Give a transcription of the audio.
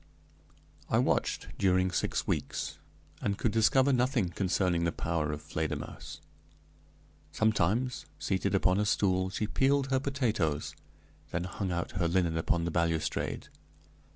I watched during six weeks, and could discover nothing concerning the power of Fledermausse. Sometimes, seated upon a stool, she peeled her potatoes, then hung out her linen upon the balustrade.